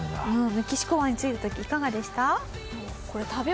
メキシコ湾に着いた時いかがでした？